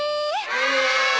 はい。